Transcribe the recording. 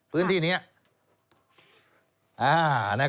พื้นที่นี้นะคะ